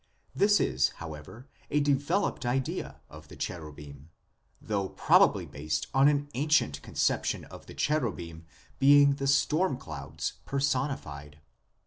This is, however, a developed idea of the cherubim, though probably based on an ancient conception of the cherubim being the storm clouds personi fied.